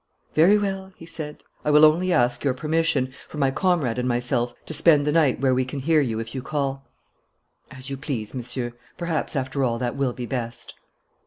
"Very well," he said, "I will only ask your permission, for my comrade and myself, to spend the night where we can hear you if you call." "As you please, Monsieur. Perhaps, after all, that will be best."